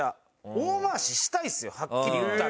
大回ししたいですよはっきり言ったら。